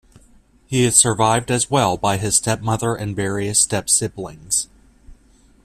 He is survived as well by his stepmother and various stepsiblings.